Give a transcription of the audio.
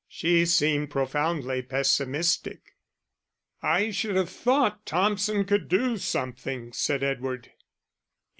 She seemed profoundly pessimistic. "I should have thought Thompson could do something," said Edward.